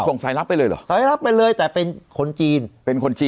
ส่งสายรับไปเลยเหรอสายรับไปเลยแต่เป็นคนจีนเป็นคนจีน